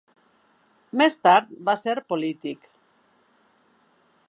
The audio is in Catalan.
Més tard va ser polític.